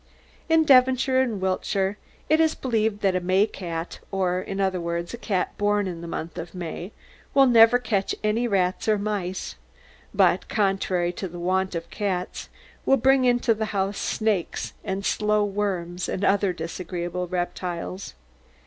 "In Devonshire and Wiltshire it is believed that a May cat or, in other words, a cat born in the month of May will never catch any rats or mice, but, contrary to the wont of cats, will bring into the house snakes, and slow worms, and other disagreeable reptiles.